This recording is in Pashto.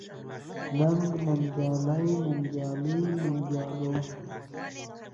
ننګ، ننګيالي ، ننګيالۍ، ننګيالو ،